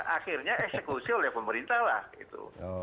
akhirnya eksekusi oleh pemerintah lah gitu